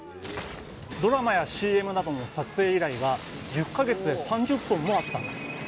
ドラマやＣＭなどの撮影依頼が、１０か月で３０本もあったんです。